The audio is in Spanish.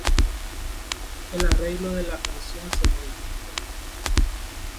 El arreglo de la canción se modificó.